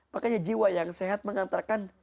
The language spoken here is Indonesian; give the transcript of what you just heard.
makanya jiwa yang sehat mengantarkan